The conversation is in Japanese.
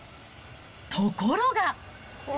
ところが。